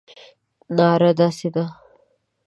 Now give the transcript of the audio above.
ناره داسې ده.